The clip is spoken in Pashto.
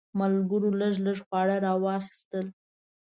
ملګرو لږ لږ خواړه راواخیستل.